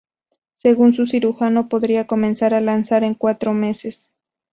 Según su cirujano, podría comenzar a lanzar en cuatro meses.